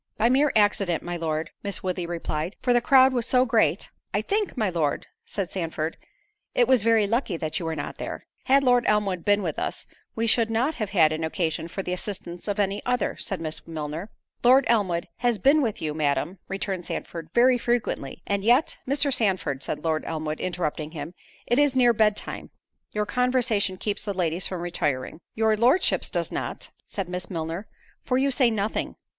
"By mere accident, my Lord," Miss Woodley replied, "for the crowd was so great——" "I think, my Lord," said Sandford, "it was very lucky that you were not there." "Had Lord Elmwood been with us, we should not have had occasion for the assistance of any other," said Miss Milner. "Lord Elmwood has been with you, Madam," returned Sandford, "very frequently, and yet—" "Mr. Sandford," said Lord Elmwood, interrupting him, "it is near bed time, your conversation keeps the ladies from retiring." "Your Lordship's does not," said Miss Milner, "for you say nothing."